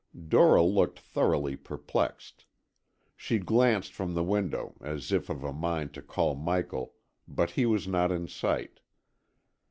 Dora looked thoroughly perplexed. She glanced from the window, as if of a mind to call Michael, but he was not in sight.